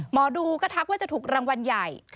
หมอดูก็ทักว่าจะถูกรางวัลใหญ่